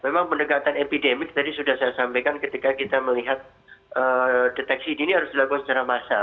memang pendekatan epidemik tadi sudah saya sampaikan ketika kita melihat deteksi dini harus dilakukan secara massal